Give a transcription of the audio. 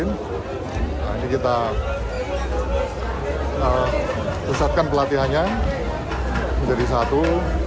ini kita pesatkan pelatihannya menjadi satu